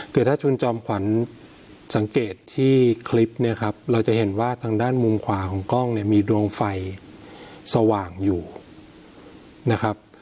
คือถ้าคุณจอมขวัญสังเกตที่คลิปเนี่ยครับเราจะเห็นว่าทางด้านมุมขวาของกล้องเนี่ยมีดวงไฟสว่างอยู่นะครับ